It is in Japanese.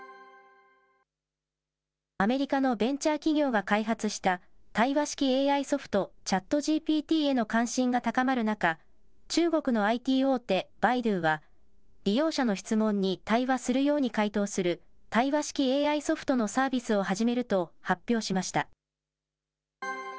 アメリカのベンチャー企業が開発した対話式ＡＩソフト、ＣｈａｔＧＰＴへの関心が高まる中、中国のＩＴ大手、百度は、利用者の質問に対話するように回答する、対話式ＡＩソフトのサービスを始めると発表しました。